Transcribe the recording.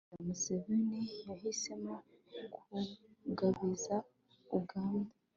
kuko perezida museveni yahisemo kugabiza uganda